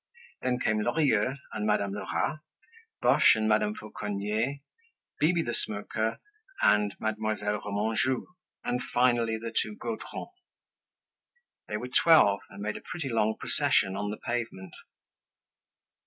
Then came Lorilleux and Madame Lerat, Boche and Madame Fauconnier, Bibi the Smoker and Mademoiselle Remanjou, and finally the two Gaudrons. They were twelve and made a pretty long procession on the pavement.